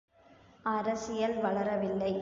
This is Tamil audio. அரசியல் வளர வில்லை.